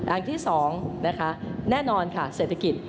อันที่๒นะคะแน่นอนค่ะเศรษฐกิจ